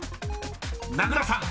［名倉さん］